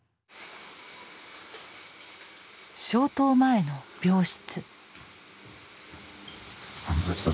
消灯前の病室。